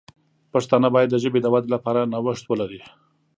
پښتانه باید د ژبې د ودې لپاره نوښت ولري.